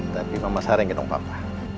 tapi mama seharian gendong papa